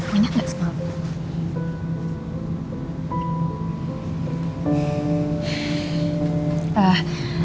minyak gak semalem